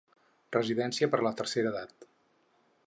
Residència per a la tercera edat.